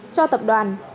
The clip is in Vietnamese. cho tập đoàn